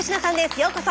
ようこそ！